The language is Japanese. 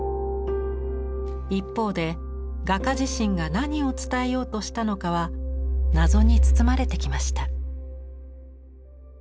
一方で画家自身が何を伝えようとしたのかは謎に包まれてきました。